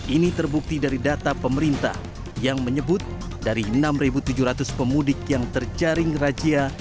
ini terbukti dari data pemerintah yang menyebut dari enam tujuh ratus pemudik yang terjaring razia